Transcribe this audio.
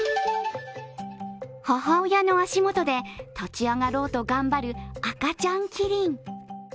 母親の足元で立ち上がろうと頑張る赤ちゃんキリン。